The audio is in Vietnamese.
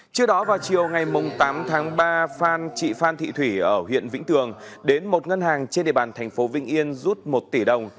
trước đó vào chiều ngày tám tháng ba chị phan thị thủy ở huyện vĩnh tường đến một ngân hàng trên địa bàn thành phố vĩnh yên rút một tỷ đồng